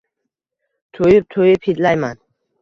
to'yib-to'yib hidlayman.